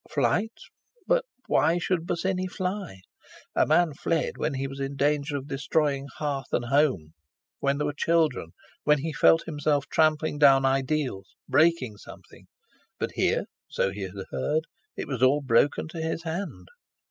Flight! But why should Bosinney fly? A man fled when he was in danger of destroying hearth and home, when there were children, when he felt himself trampling down ideals, breaking something. But here, so he had heard, it was all broken to his hand.